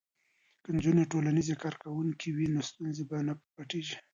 که نجونې ټولنیزې کارکوونکې وي نو ستونزې به نه پټیږي.